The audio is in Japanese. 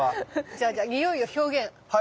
じゃあじゃあにおいを表現！